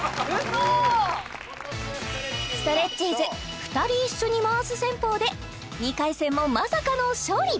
嘘ストレッチーズ２人一緒に回す戦法で２回戦もまさかの勝利！